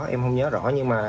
em không nhớ rõ nhưng mà